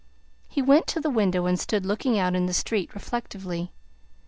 He went to the window and stood looking out into the street reflectively.